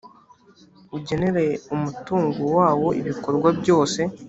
ugenera umutungo wawo ibikorwa byose